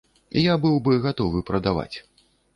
Я быў бы гатовы прадаваць.